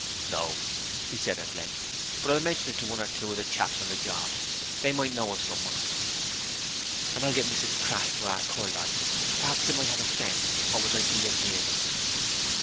'No,' he said at length. 'But I'll mention it to one or two of the chaps on the job; they might know of someone.' 'And I'll get Mrs Crass to ask her lodgers: p'raps they might have a friend what would like to live near them.'